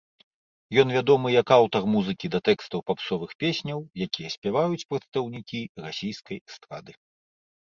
Ён вядомы як аўтар музыкі да тэкстаў папсовых песняў, якія спяваюць прадстаўнікі расійскай эстрады.